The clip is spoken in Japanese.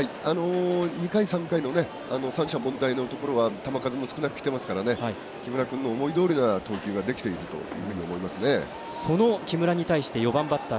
２回、３回の三者凡退のところは球数も少なくきてますから木村君の思いどおりのその木村に対して４番バッター